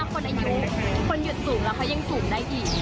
คนอายุคนหยุดสูงแล้วเขายังสูงได้อีก